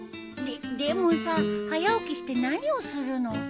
ででもさ早起きして何をするの？